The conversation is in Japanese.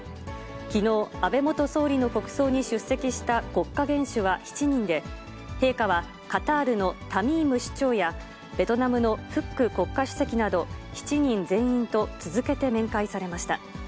きのう、安倍元総理の国葬に出席した国家元首は７人で、陛下はカタールのタミーム首長や、ベトナムのフック国家主席など、７人全員と続けて面会されました。